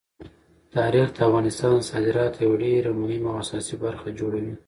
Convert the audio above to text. تاریخ د افغانستان د صادراتو یوه ډېره مهمه او اساسي برخه جوړوي.